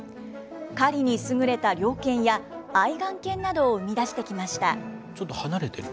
狩りに優れた猟犬や、愛玩犬などを生み出してきました。